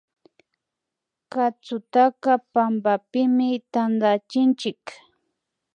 Katsutaka pampapimi tantachinchik